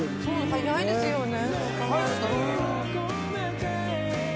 早いですよね。